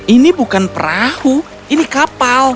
ini bukan perahu ini kapal